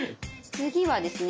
次はですね